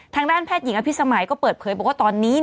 ทางด้านแพทย์หญิงอภิษมัยก็เปิดเผยบอกว่าตอนนี้